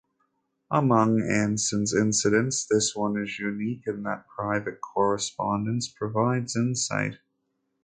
Among Anson's incidents, this one is unique in that private correspondence provides insight.